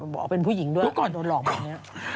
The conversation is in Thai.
บอกเป็นผู้หญิงด้วยโดนหลอกแบบนี้